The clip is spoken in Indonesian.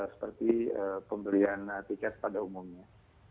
seperti pembelian tiket pada umumnya